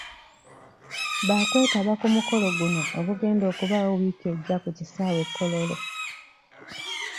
Baakwetaba ku mukolo guno ogugenda okubaawo wiiki ejja ku kisaawe e Kololo.